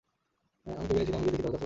আমি কেবিনে ফিরছিলাম, গিয়ে দেখি দরজা খোলা!